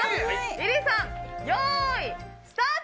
リリーさん用意スタート。